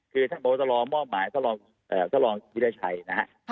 คือท่านบัวตะลองมอบหมายตะลองวิทยาชัยนะครับ